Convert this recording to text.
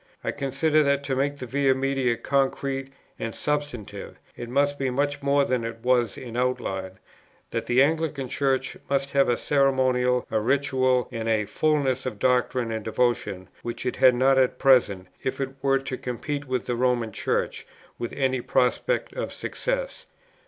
I considered that to make the Via Media concrete and substantive, it must be much more than it was in outline; that the Anglican Church must have a ceremonial, a ritual, and a fulness of doctrine and devotion, which it had not at present, if it were to compete with the Roman Church with any prospect of success.